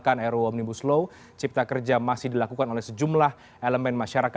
ada pertemuan juga